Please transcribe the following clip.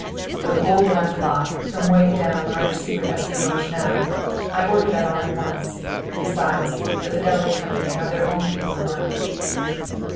"But the whole damned lot, from old Wade down, are under secret espionage now. I ordered that on at once. Besides, the Fidelity Company have their own people at work."